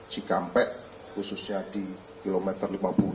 cikampek khususnya di kilometer lima puluh enam